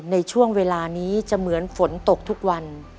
ในช่วงเวลานี้จะเหมือนฝนตกทุกวัน